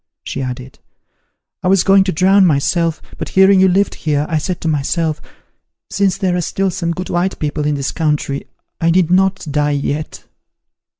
She added, "I was going to drown myself, but hearing you lived here, I said to myself, since there are still some good white people in this country, I need not die yet."